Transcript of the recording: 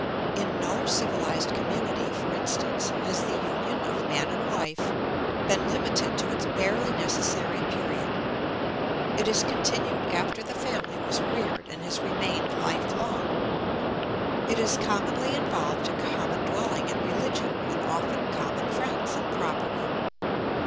In no civilised community, for instance, has the union of man and wife been limited to its barely necessary period. It has continued after the family was reared and has remained life long; it has commonly involved a common dwelling and religion and often common friends and property.